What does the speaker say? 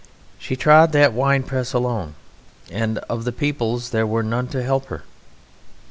She trod that winepress alone; and of the peoples there were none to help her.